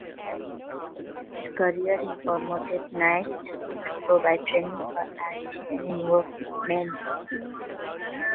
Throughout his career he promoted nights schools to provide training for artisans and workmen.